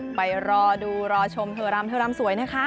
เดี๋ยวรอดูรอชมเทอร์รำเทอร์รำสวยนะคะ